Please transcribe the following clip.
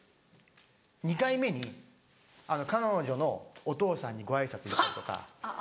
２回目に彼女のお父さんにご挨拶行ったりとか。